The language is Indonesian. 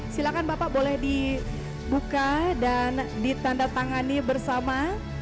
silahkan bapak boleh dibuka dan ditandatangani bersama